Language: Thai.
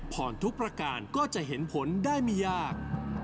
ทุกประการก็จะเห็นผลได้ไม่ยาก